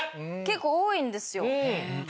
結構多いんですよ。